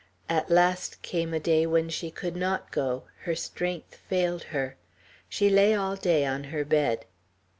At last came a day when she could not go; her strength failed her. She lay all day on her bed.